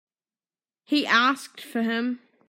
He asked for him.